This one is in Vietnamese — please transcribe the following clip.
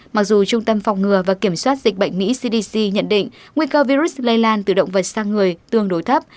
mặc dù trung tâm phòng ngừa và kiểm soát dịch bệnh mỹ cdc nhận định nguy cơ virus lây lan từ động vật sang người tương đối thấp